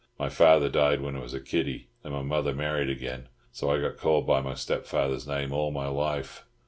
My father died when I was a kiddy, and my mother married again, so I got called by my stepfather's name all my life.